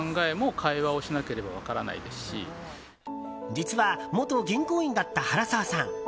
実は元銀行員だった原澤さん。